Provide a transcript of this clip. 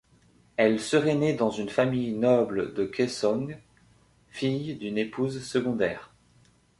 Elle serait née dans une famille noble de Kaesong, fille d'une épouse secondaire.